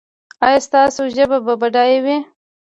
ایا ستاسو ژبه به بډایه وي؟